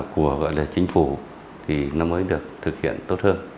của gọi là chính phủ thì nó mới được thực hiện tốt hơn